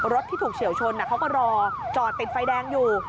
ที่ถูกเฉียวชนเขาก็รอจอดติดไฟแดงอยู่